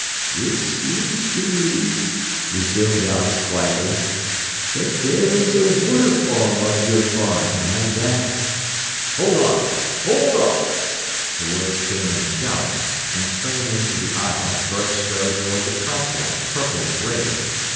"It seems to me," resumed Alex quietly, "that there is a waterfall on your farm, and that " "Hold on there! Hold on!" The words came in a shout, and springing into the aisle, Burke strode toward the platform, purple with rage.